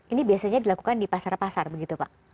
ini biasanya dilakukan di pasar pasar begitu pak